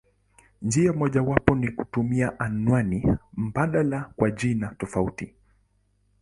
Njia mojawapo ni kutumia anwani mbadala kwa jina tofauti.